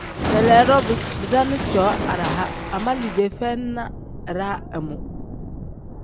Leleedo bisaani cooo araha ama liidee feyi na iraa imu.